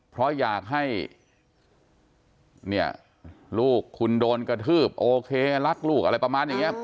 เพราะอยากให้เนี่ยลูกคุณโดนกระทืบโอเครักลูกอะไรประมาณอย่างนี้